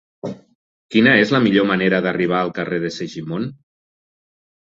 Quina és la millor manera d'arribar al carrer de Segimon?